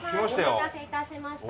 お待たせいたしました。